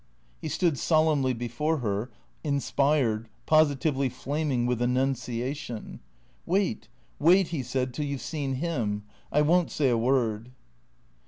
He stood solemnly before her, inspired, positively flaming with annunciation. " Wait — wait," he said, " till you Ve seen Him. I won't say a word."